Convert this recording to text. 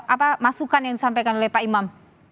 apa masukan yang disampaikan oleh pak imam